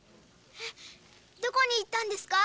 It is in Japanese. えっどこに行ったんですか？